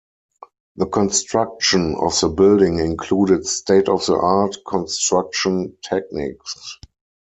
The construction of the building included state-of-the-art construction techniques.